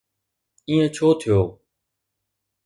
ائين ڇو ٿيو؟